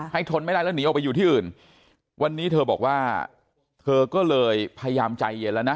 ทนไม่ได้แล้วหนีออกไปอยู่ที่อื่นวันนี้เธอบอกว่าเธอก็เลยพยายามใจเย็นแล้วนะ